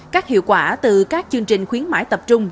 các hiệu quả từ các chương trình khuyến mại tập trung